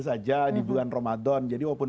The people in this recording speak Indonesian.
saja di bulan ramadan jadi walaupun